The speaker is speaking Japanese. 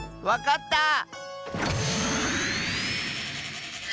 わかった！